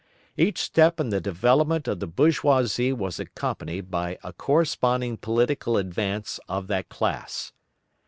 Each step in the development of the bourgeoisie was accompanied by a corresponding political advance of that class.